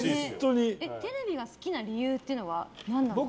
テレビが好きな理由っていうのは何ですか？